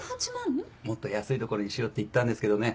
もっと安い所にしようって言ったんですけどね